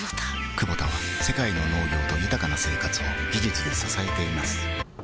クボタは世界の農業と豊かな生活を技術で支えています起きて。